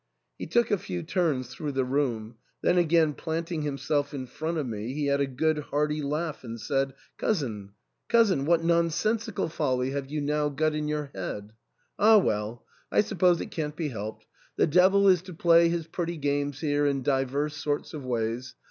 He took a few turns through the room ; then again plant ing himself in front of me, he had a good hearty laugh and said, " Cousin, cousin, what nonsensical folly have THE ENTAIL. ^6i you now got in your head ? Ah well ! I suppose it can't be helped ; the devil is to play his pretty games here in divers sorts of ways.